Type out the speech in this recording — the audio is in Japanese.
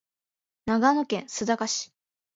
長野県須坂市